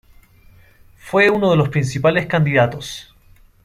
Fue uno de los principales candidatos.